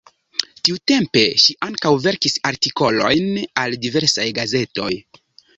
Tiutempe ŝi ankaŭ verkis artikolojn al diversaj gazetoj.